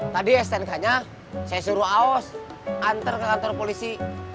tadi stnk nya saya suruh aos antar ke kantor polisi